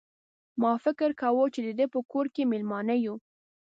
ما فکر کاوه چې د ده په کور کې مېلمانه یو.